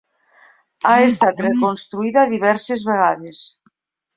Ha estat reconstruïda diverses vegades.